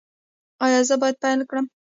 ایا زه باید پیل کړم؟